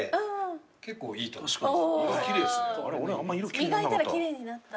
磨いたら奇麗になった。